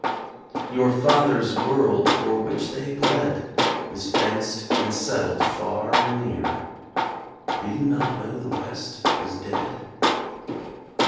Your fathers' world, for which they bled, Is fenced and settled far and near Do you not know the West is dead?